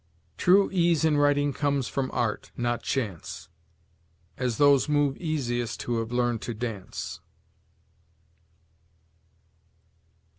"True ease in writing comes from art, not chance, As those move easiest who have learned to dance."